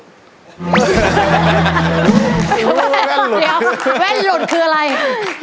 แว่นหลุดคืออะไรเหลือแว่นหลุด